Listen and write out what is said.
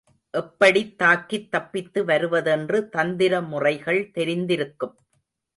எப்படித் தாக்கித் தப்பித்து வருவதென்று தந்திர முறைகள் தெரிந்திருக்கும்.